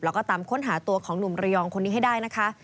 แล้วก็ตามค้นหาตัวของหนุ่มระยองคนนี้ให้ได้นะคะ